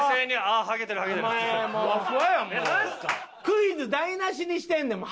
クイズ台無しにしてんねん！